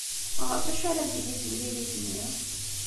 Ɣef wacu ara d-tili temlilit-nni?